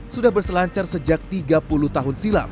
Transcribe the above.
sudah berselancar sejak tiga puluh tahun silam